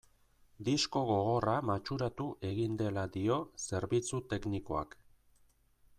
Disko gogorra matxuratu egin dela dio zerbitzu teknikoak.